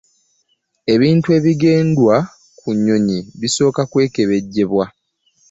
Ebintu ebigendwa ku nnyonyi bisooka kwekebejjebwa.